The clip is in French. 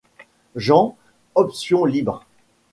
Jean, Option libre.